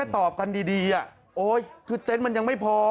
ตอบกันดีโอ๊ยคือเต็นต์มันยังไม่พอ